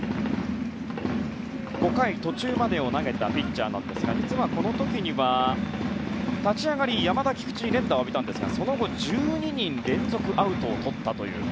５回途中までを投げたピッチャーなんですが実はこの時には、立ち上がり山田、菊池に連打を浴びたんですが、その後１２連続アウトをとったという。